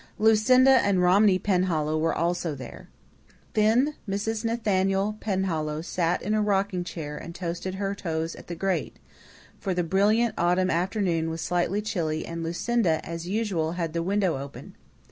Lucinda and Romney Penhallow were also there. Thin Mrs. Nathaniel Penhallow sat in a rocking chair and toasted her toes at the grate, for the brilliant autumn afternoon was slightly chilly and Lucinda, as usual, had the window open.